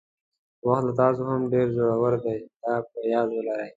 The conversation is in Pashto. وخت له تاسو هم ډېر زړور دی دا په یاد ولرئ.